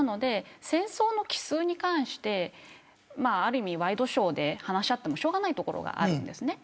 戦争の帰すうに関してある意味ワイドショーで話し合ってもしょうがないところがあるんです。